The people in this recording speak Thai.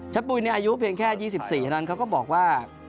ปุ๋ยอายุเพียงแค่๒๔เท่านั้นเขาก็บอกว่า